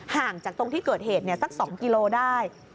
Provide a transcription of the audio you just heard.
ห่างจากตรงที่เกิดเหตุสัก๒กิโลได้